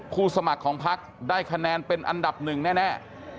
สมัครของพักได้คะแนนเป็นอันดับหนึ่งแน่